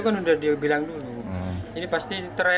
ya udah katanya apa apa